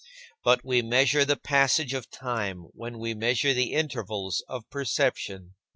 But we measure the passage of time when we measure the intervals of perception.